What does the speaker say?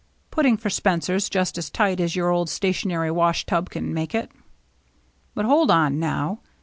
"" Putting for Spencer's, just as tight as your old stationary wash tub can make it." " But hold on, now.